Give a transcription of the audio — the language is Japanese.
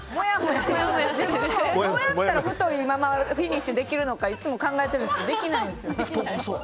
どうやったらうまくフィニッシュできるのかいつも考えてるんですけどできないんですよ。